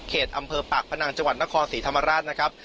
อำเภอปากพนังจังหวัดนครศรีธรรมราชนะครับ